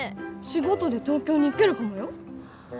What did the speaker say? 仕事で東京に行けるかもよ？